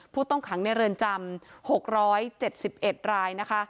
ผู้ต้องขังในเรือนจำ๖๗๑รายนะคะ